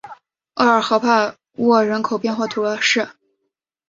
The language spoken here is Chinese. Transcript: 厄尔河畔沃人口变化图示